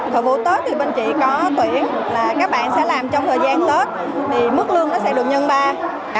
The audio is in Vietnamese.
thời vụ tết thì bên chị có tuyển là các bạn sẽ làm trong thời gian tết thì mức lương nó sẽ được nhân ba